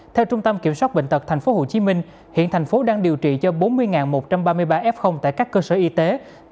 theo trung tâm kiểm soát bệnh tật tp hcm hiện thành phố đang điều trị cho bốn mươi một trăm ba mươi ba f tại các cơ sở y tế